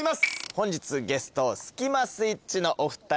本日ゲストスキマスイッチのお二人大橋卓弥さん